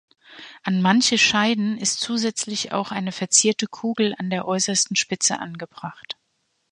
An manche Scheiden ist zusätzlich auch eine verzierte Kugel an der äußersten Spitze angebracht.